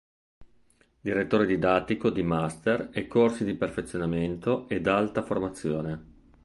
Direttore didattico di master e corsi di perfezionamento ed alta formazione.